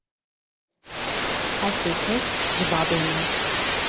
Her sê kes ji Babê ne.